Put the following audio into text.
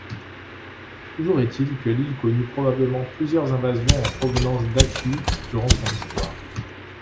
Toujours est-il que l'île connut probablement plusieurs invasions en provenance d'Atiu durant son histoire.